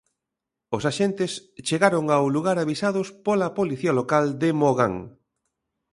Os axentes chegaron ao lugar avisados pola policía local de Mogán.